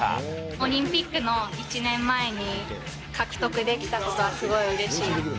オリンピックの１年前に獲得できたことがすごいうれしい。